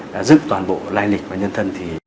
đã giữ toàn bộ lai lịch và nhân thân